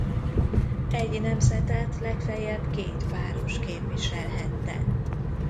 Egy nemzetet legfeljebb két páros képviselhette.